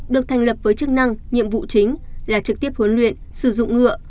được thành lập với chức năng nhiệm vụ chính là trực tiếp huấn luyện sử dụng ngựa